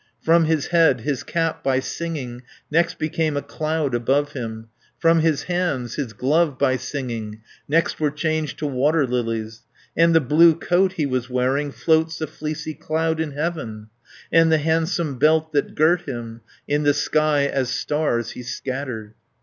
From his head, his cap, by singing, Next became a cloud above him, 320 From his hands, his gloves, by singing, Next were changed to water lilies, And the blue coat he was wearing, Floats a fleecy cloud in heaven, And the handsome belt that girt him, In the sky as stars he scattered.